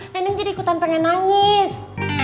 neneng jadi ikutan pengen nangis